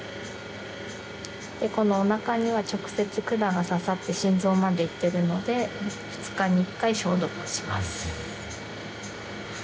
このおなかには直接管がささって心臓までいっているので２日に１回消毒します。